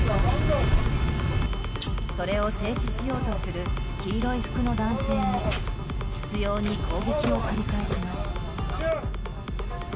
それを制止しようとする黄色い服の男性に執拗に攻撃を繰り返します。